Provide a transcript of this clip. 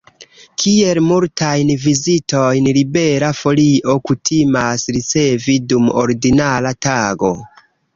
Kiel multajn vizitojn Libera Folio kutimas ricevi dum ordinara tago?